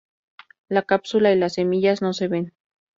La cápsula y las semillas no se ven.